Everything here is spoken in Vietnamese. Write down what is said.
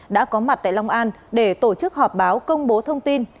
đã có mặt tại long an để tổ chức họp báo công bố thông tin